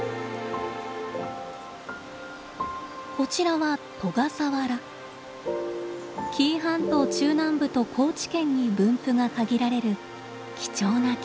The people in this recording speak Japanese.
こちらは紀伊半島中南部と高知県に分布が限られる貴重な木です。